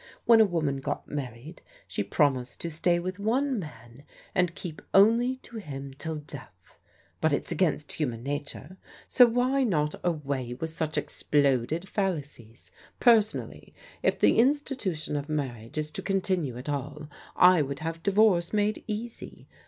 When a woman got married she promised to stay with one man and keep only to him till death. But it's against human nature, so ^Vv:j tioX. 80 PRODIGAL DAUGHTERS away with such exploded fallacies? Personally if the institution of marriage is to continue at all, I would have divorce made easy.